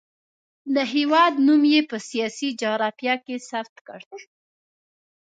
د هېواد نوم یې په سیاسي جغرافیه کې ثبت کړ.